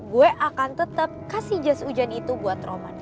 gue akan tetep kasih jas ujannya itu buat roman